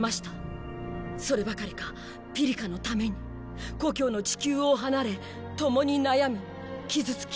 そればかりかピリカのために故郷のチキュウを離れ共に悩み傷つき